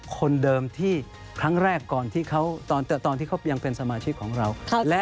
คนเดิมที่ครั้งแรกก่อนตอนที่เขายังเป็นสมาชิกของเรา